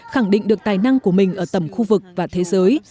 khẳng định được tài năng của mình ở tầm khu vực và thế giới